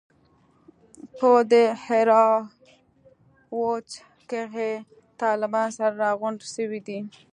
په دهراوت کښې طالبان سره راغونډ سوي دي.